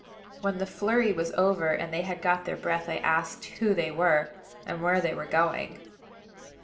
When the flurry was over, and they had got their breath, I asked who they were, and where they were going.